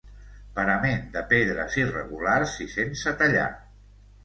Parament de pedres irregulars i sense tallar.